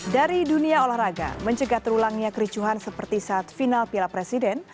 dari dunia olahraga mencegah terulangnya kericuhan seperti saat final piala presiden